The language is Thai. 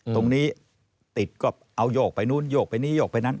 ตรงนี้ติดก็เอาโยกไปนู้นโยกไปนี้โยกไปนั้น